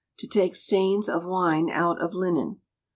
To take Stains of Wine out of Linen.